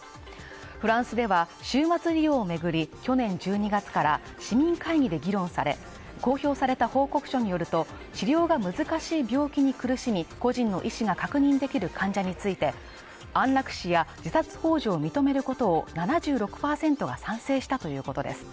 フランスでは終末医療を巡り、去年１２月から市民会議で議論され公表された報告書によると、治療が難しい病気に苦しみ、個人の意思が確認できる患者について安楽死や自殺幇助を認めることを７６％が賛成したということです。